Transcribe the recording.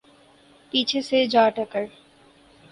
پیچھے سے جا ٹکر